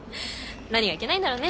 何がいけないんだろうね？